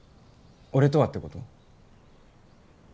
「俺とは」ってこと？